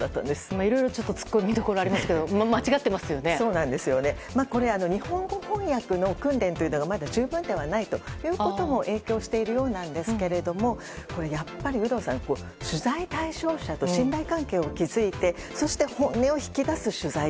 いろいろ突っ込みどころがありますが日本語翻訳の訓練というのがまだ十分ではないことも影響しているようなんですがこれ、やっぱり有働さん、取材対象者と信頼関係を築いて本音を引き出す取材。